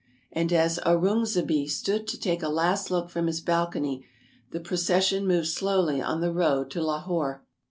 And as Aurungzebe stood to take a last look from his balcony, the procession moved slowly on the road to Lahore."